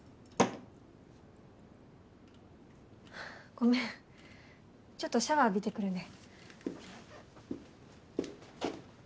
ごめんちょっとシャワー浴びてくるね。